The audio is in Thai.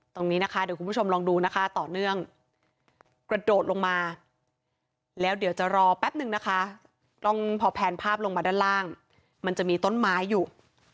ตรงนี้นะคะเดี๋ยวคุณผู้ชมลองดูนะคะต่อเนื่องกระโดดลงมาแล้วเดี๋ยวจะรอแป๊บนึงนะคะต้องพอแพนภาพลงมาด้านล่างมันจะมีต้นไม้อยู่